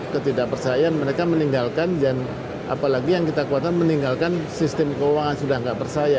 ketidakpercayaan mereka meninggalkan dan apalagi yang kita kuatkan meninggalkan sistem keuangan sudah tidak percaya